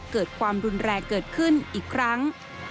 เกิดความรุนแรงเกิดขึ้นอีกครั้ง